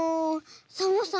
サボさん